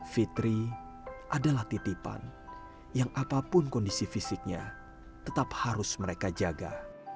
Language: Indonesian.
fitri adalah titipan yang apapun kondisi fisiknya tetap harus mereka jaga